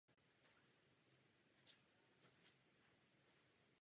Zvonice je třípatrová a navržena byla ve stylu ruského klasicismu.